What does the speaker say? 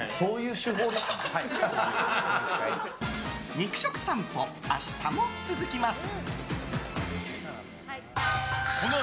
肉食さんぽ、明日も続きます！